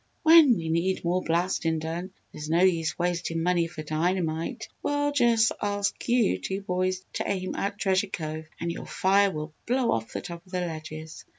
"When we need more blastin' done there's no use wastin' money for dynamite we'll jus' ask you two boys to aim at Treasure Cove and your fire will blow off the top of the ledges!"